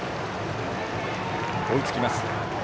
追いつきます。